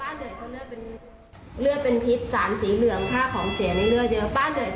คุณผู้ชมค่ะแล้วเดี๋ยวมาเล่ารายละเอียดเพิ่มเติมให้ฟังค่ะ